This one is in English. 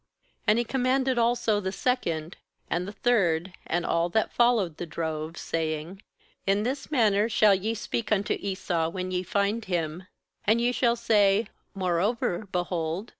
20And he commanded also the second, and the third, and all that followed the droves, saying: 'In this manner shall ye speak unto Esau, when ye find him; aand ye shall say: Moreover, be hold.